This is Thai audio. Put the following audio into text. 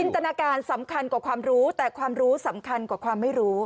ตนาการสำคัญกว่าความรู้แต่ความรู้สำคัญกว่าความไม่รู้